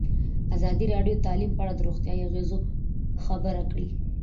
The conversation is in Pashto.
ازادي راډیو د تعلیم په اړه د روغتیایي اغېزو خبره کړې.